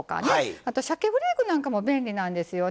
あとしゃけフレークなんかも便利なんですよね。